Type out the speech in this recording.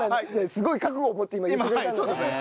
すごい覚悟を持って今言ってくれたんだね。